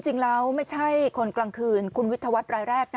จริงแล้วไม่ใช่คนกลางคืนคุณวิทยาวัตรรายแรก